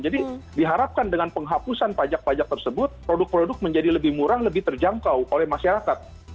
jadi diharapkan dengan penghapusan pajak pajak tersebut produk produk menjadi lebih murah lebih terjangkau oleh masyarakat